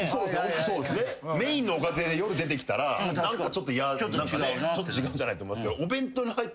メインのおかずで夜出てきたら何かちょっと嫌ちょっと違うんじゃないと思いますけど。